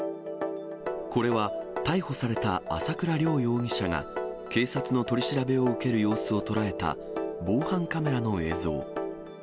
これは、逮捕された朝倉亮容疑者が警察の取り調べを受ける様子を捉えた防犯カメラの映像。